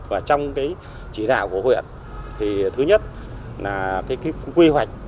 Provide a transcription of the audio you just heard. và trong cái chỉ đạo của huyện thì thứ nhất là cái quy hoạch